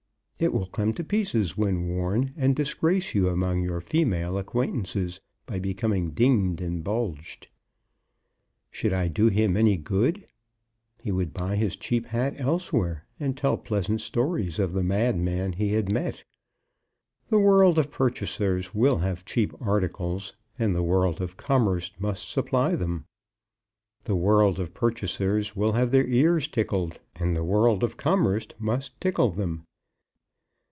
It will come to pieces when worn and disgrace you among your female acquaintances by becoming dinged and bulged?' Should I do him good? He would buy his cheap hat elsewhere, and tell pleasant stories of the madman he had met. The world of purchasers will have cheap articles, and the world of commerce must supply them. The world of purchasers will have their ears tickled, and the world of commerce must tickle them.